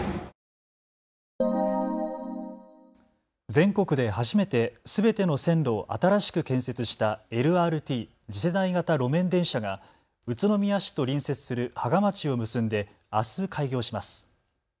全国で初めてすべての線路を新しく建設したＬＲＴ・次世代型路面電車が宇都宮市と隣接する芳賀町を結んであす開業します。